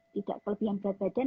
tidak kelebihan berat badan